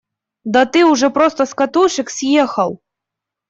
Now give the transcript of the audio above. Да ты уже просто с катушек съехал!